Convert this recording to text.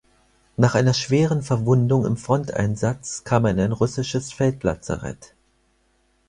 Nach einer schweren Verwundung im Fronteinsatz kam er in ein russisches Feldlazarett.